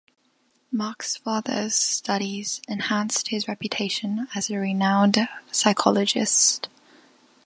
Mark's father's studies enhanced his reputation as a renowned psychologist.